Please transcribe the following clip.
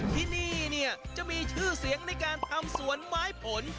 ที่นี่เนี่ยจะมีชื่อเสียงในการทำสวนไม้ผล